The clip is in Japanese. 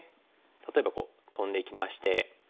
例えばこうトンでいきまして。